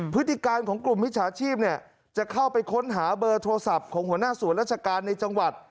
พฤติการของกลุ่มมิจฉาชีพจะเข้าไปค้นหาเบอร์โทรศัพท์ของหัวหน้าศูนย์ราชการในจังหวัด